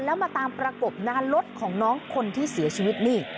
แล้วมาตามประกบนะคะรถของน้องคนที่เสียชีวิตนี่